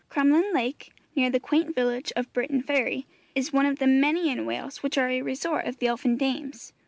Crumlyn Lake, near the quaint village of Briton Ferry, is one of the many in Wales which are a resort of the elfin dames.